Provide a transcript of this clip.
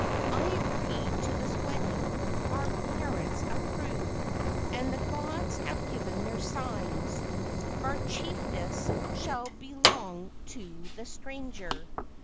I agree to this wedding. Our par¬ ents approve, and the gods have given their signs. Our chief ess shall belong to the stranger.